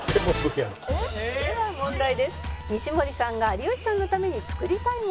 「では問題です」